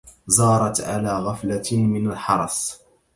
زارت على غفلة من الحرس